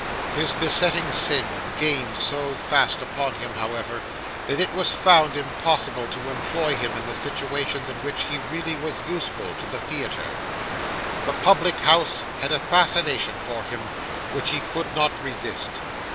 His besetting sin gained so fast upon him, however, that it was found impossible to employ him in the situations in which he really was useful to the theatre. The public house had a fascination for him which he could not resist.